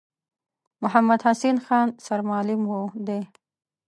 محمدحسین خان سرمعلم دی.